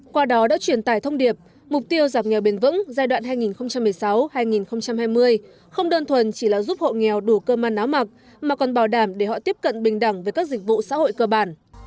qua đó đã truyền tải thông điệp mục tiêu giảm nghèo bền vững giai đoạn hai nghìn một mươi sáu hai nghìn hai mươi không đơn thuần chỉ là giúp hộ nghèo đủ cơm ăn áo mặc mà còn bảo đảm để họ tiếp cận bình đẳng với các dịch vụ xã hội cơ bản